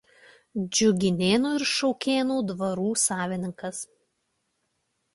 Džiuginėnų ir Šaukėnų dvarų savininkas.